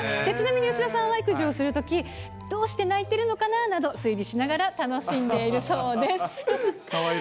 ちなみに吉田さんは育児をするとき、どうして泣いてるのかななど、推理しながら楽しんでいるそうです。